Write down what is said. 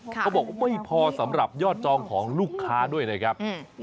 เขาบอกว่าไม่พอสำหรับยอดจองของลูกค้าด้วยนะครับ